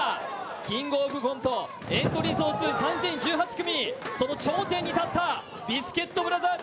「キングオブコント」エントリー総数３０１８組、その頂点に立ったビスケットブラザーズ。